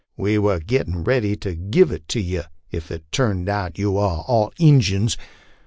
We war gettin 1 ready to give it to yer if it turned out yer war all Injuns.